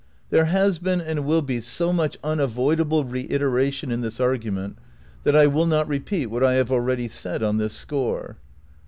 There has been and will be so much unavoidable re iteration in this argument that I will not repeat what I have already said on this score.